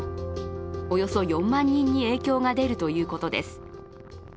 およそ４万人に影響が出るということです。